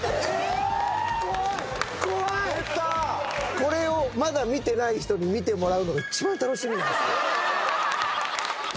これをまだ見てない人に見てもらうのが一番楽しみなんですよ。